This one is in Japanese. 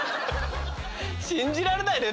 信じられないね。